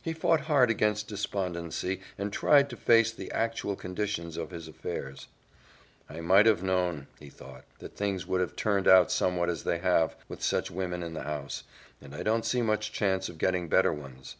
He fought hard against despondency and tried to face the actual condition of his affairs. "I might have known," he thought, "that things would have turned out somewhat as they have, with such women in the house, and I don't see much chance of getting better ones.